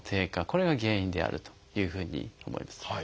これが原因であるというふうに思います。